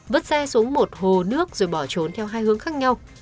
vứt xe xuống một hồ nước rồi bỏ trốn theo hai hướng khác nhau